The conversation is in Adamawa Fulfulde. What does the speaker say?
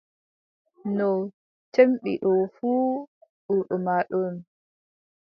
No cemmbiɗɗo fuu, ɓurɗo ma ɗon.